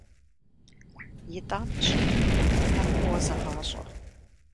«ИтӀанэ» щыӀэнукъым, ар фӀыуэ зэгъащӀэ!